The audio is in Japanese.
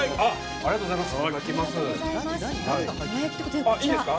ありがとうございます。